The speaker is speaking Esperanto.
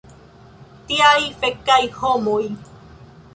Tiaj fekaj homoj!